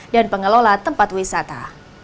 dan pengelola tempat wisata